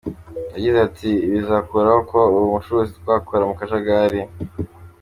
Yagize ati, “Ibi bizakuraho kuba ubu bucuruzi bwakorwa mu kajagari.